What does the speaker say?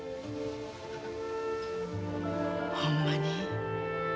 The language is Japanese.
ほんまに？